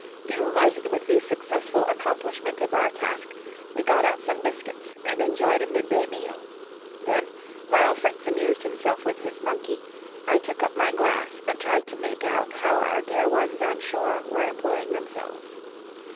Delighted with the successful accomplishment of our task, we got out some biscuits and enjoyed a midday meal; then, while Fritz amused himself with his monkey, I took up my glass and tried to make out how our dear ones on shore were employing themselves.